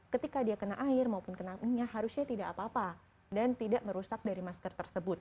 ketika dia kena air maupun kena enya harusnya tidak apa apa dan tidak merusak dari masker tersebut